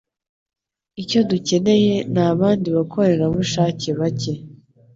Icyo dukeneye ni abandi bakorerabushake bake.